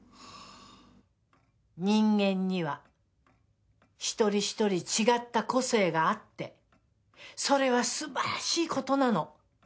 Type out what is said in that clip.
人間には１人１人違った個性があってそれはすばらしいことなの。